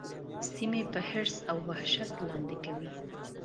سیمې په حرص او وحشت لاندي کوي.